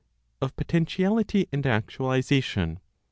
Of Potentiality and Actualization.